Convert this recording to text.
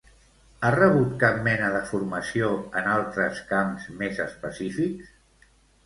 Ha rebut cap mena de formació en altres camps més específics?